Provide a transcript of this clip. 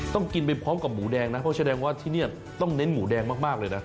ต้องกินไปพร้อมกับหมูแดงนะเพราะแสดงว่าที่นี่ต้องเน้นหมูแดงมากเลยนะ